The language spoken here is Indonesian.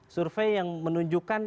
survei yang menunjukkan